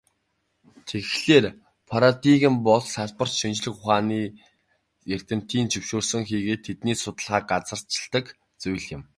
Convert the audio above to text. Тэгэхлээр, парадигм бол салбар шинжлэх ухааны эрдэмтдийн зөвшөөрсөн хийгээд тэдний судалгааг газарчилдаг зүйл юм.